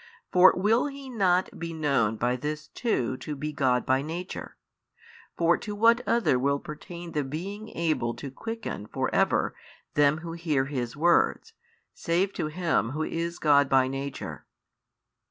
For will He not be known by this too to be God by Nature? for to what other will pertain the being able to quicken for ever them who hear His words, save to Him Who is God by Nature?